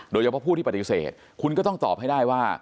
โดยเฉพาะผู้ที่ปฏิเสธคุณก็ต้องตอบให้ได้ว่า